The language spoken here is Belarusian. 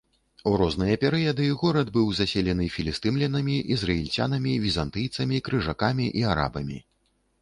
У розныя перыяды горад быў заселены філістымлянамі, ізраільцянамі, візантыйцамі, крыжакамі і арабамі.